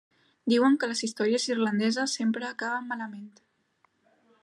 Diuen que les històries irlandeses sempre acaben malament.